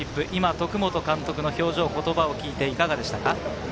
徳本監督の表情と言葉を聞いていかがでしたか？